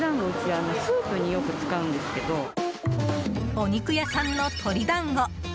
お肉屋さんの鶏だんご。